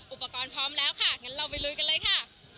อุปกรณ์พร้อมแล้วค่ะงั้นเราไปลุยกันเลยค่ะ